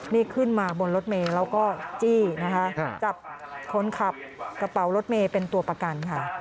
นี่ขึ้นมาบนรถเมย์แล้วก็จี้นะคะจับคนขับกระเป๋ารถเมย์เป็นตัวประกันค่ะ